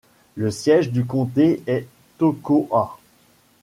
Le siège du comté est Toccoa.